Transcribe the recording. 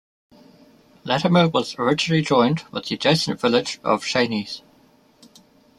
Latimer was originally joined with the adjacent village of Chenies.